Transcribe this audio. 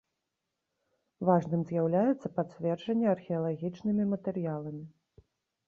Важным з'яўляецца пацверджанне археалагічнымі матэрыяламі.